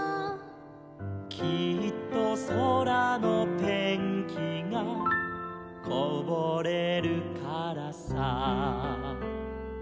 「きっとそらのペンキがこぼれるからさ」